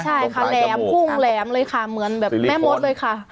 ใช่ค่ะแหลมพุ่งแหลมเลยค่ะเหมือนแบบแม่มดเลยค่ะ